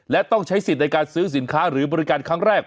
และต้องใช้สิทธิ์ในการซื้อสินค้าหรือบริการครั้งแรก